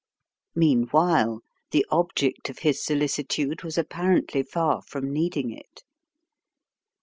Meanwhile, the object of his solicitude was ap parently far from needing it.